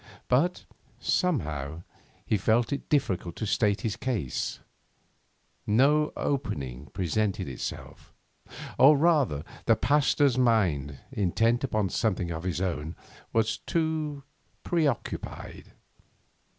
But, somehow, he found it difficult to state his case; no opening presented itself; or, rather, the Pasteur's mind, intent upon something of his own, was too preoccupied.